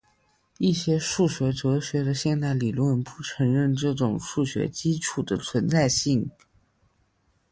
一些数学哲学的现代理论不承认这种数学基础的存在性。